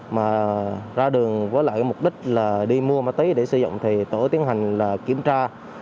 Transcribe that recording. mà ra đường với lại cái mục đích là đi mua ma túy để sử dụng thì tổ tiến hành là kiểm tra